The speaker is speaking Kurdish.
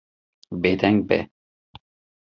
Bêdeng be.